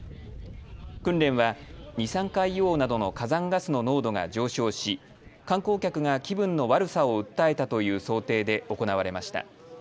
訓練は二酸化硫黄などの火山ガスの濃度が上昇し観光客が気分の悪さを訴えたという想定で行われました。